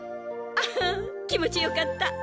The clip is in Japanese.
アハン気持ちよかった。